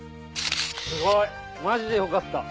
すごいマジでよかった。